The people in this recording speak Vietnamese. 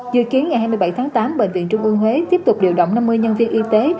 dự kiến ngày hai mươi bảy tháng tám bệnh viện trung ương huế tiếp tục điều động năm mươi nhân viên y tế